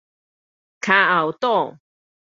跤後肚